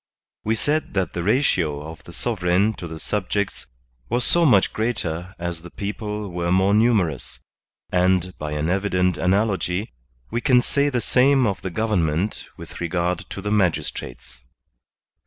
We said that the ratio of the sovereign to the subjects was so much greatet DIFFERENT FORMS OF GOVERNMENT 55 as the people were more numerous; and, by an evident analogy, we can say the same of the government with regard to the magistrates.